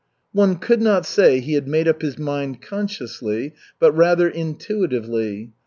One could not say he had made up his mind consciously, but rather intuitively.